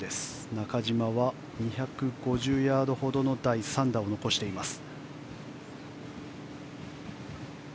中島は、２５０ヤードほどの第３打を残しています。